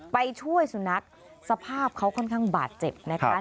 ไปช่วยสุนัขสภาพเขาค่อนข้างบาดเจ็บนะคะ